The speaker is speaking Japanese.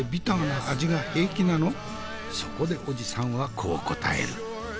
そこでおじさんはこう答える。